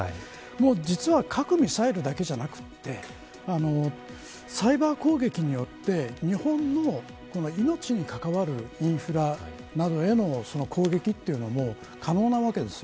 実は核ミサイルだけではなくサイバー攻撃によって日本の命に関わるインフラなどへの攻撃というのも可能なわけです。